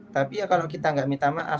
tapi ya kalau kita nggak minta maaf